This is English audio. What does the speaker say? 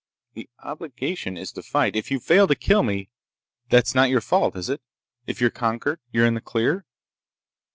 "The obligation is to fight. If you fail to kill me, that's not your fault, is it? If you're conquered, you're in the clear?"